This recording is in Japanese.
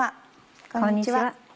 こんにちは。